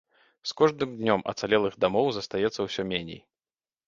З кожным днём ацалелых дамоў застаецца ўсё меней.